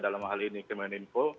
dalam hal ini kemeninfo